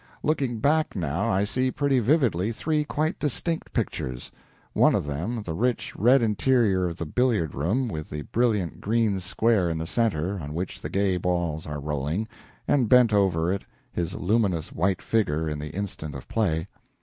Looking back, now, I see pretty vividly three quite distinct pictures. One of them, the rich, red interior of the billiard room, with the brilliant green square in the center on which the gay balls are rolling, and bent over it his luminous white figure in the instant of play.